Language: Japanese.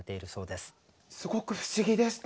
すごく不思議でした。